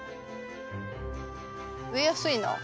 植えやすいな。